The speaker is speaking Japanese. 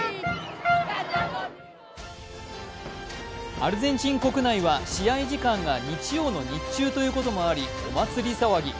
アルゼンチン国内は試合時間が日曜の日中ということもあり、お祭り騒ぎ。